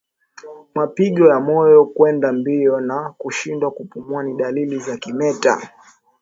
Mapigo ya moyo kwenda mbio na kushindwa kupumua ni dalili za kimeta